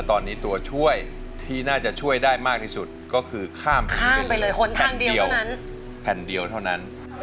ที่น่าจะช่วยได้มากที่สุดก็คือข้ามไปเลยแผ่นเดียวเท่านั้น